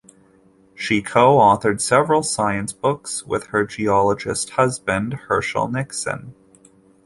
She co-authored several science books with her geologist husband Hershell Nixon.